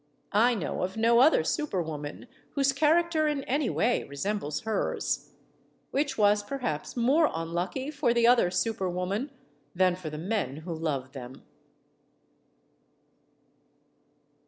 I know of no other super woman whose character in any way resembles hers. Which was, perhaps, more unlucky for the other super woman than for the men who loved them.